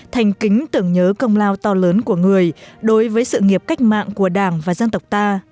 thành kính tưởng nhớ công lao to lớn của người đối với sự nghiệp cách mạng của đảng và dân tộc ta